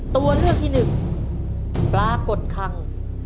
ตัวเลือกที่หนึ่งปลากดคัง